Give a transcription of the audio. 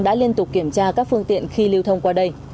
đã liên tục kiểm tra các phương tiện khi lưu thông qua đây